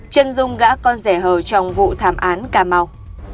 trần dung gã con rẻ hờ trong vụ thảm án cà mau